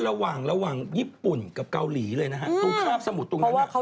แล้วระหว่างญี่ปุ่นกับเกาหลีเลยนะฮะตรงข้ามสมุทรตรงนั้นมันคือแฟคเลยนะ